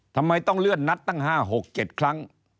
ทำไมต้องเลื่อนนัดตั้ง๕๖๗ครั้ง